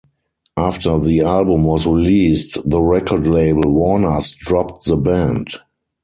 After the album was released the record label, Warners, dropped the band.